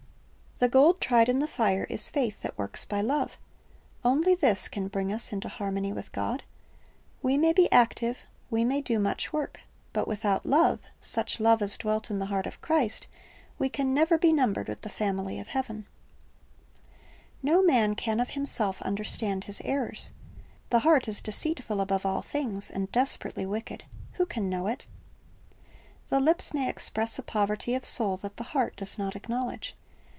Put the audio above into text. "* The gold tried in the fire is faith that works by love. Only this can bring us into harmony with God. We may be active, we ma\ do much work; but without love, such love as dwelt in the heart of Christ, we can never be numbered with the famil) of heaven. 1 1 John I : 9 ; Jer, 3 : 13 ; Eze. 36 : 25 2 Luke 4:18 ^ Luke 5 : 31 < Rvv. 3:17. iS Ti^'o Worshipers 159 No man can of himself understand his errors. "The heart is deceitful above all things, and desperately wicked; who can know it?"' The lips may express a poverty of soul that the heart does not acknowledge.